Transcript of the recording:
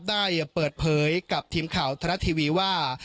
ได้เปิดเผยกับทีมข่าวทรัฐทีวีว่า